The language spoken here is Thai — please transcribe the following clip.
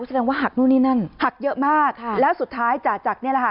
แสดงว่าหักนู่นนี่นั่นหักเยอะมากค่ะแล้วสุดท้ายจ่าจักรเนี่ยแหละค่ะ